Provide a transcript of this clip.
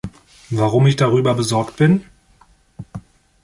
Warum ich darüber besorgt bin?